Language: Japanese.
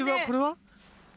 これは？